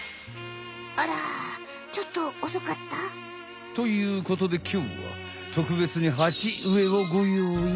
あらちょっとおそかった？ということできょうはとくべつにはちうえをごようい。